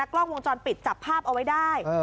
กล้องวงจรปิดจับภาพเอาไว้ได้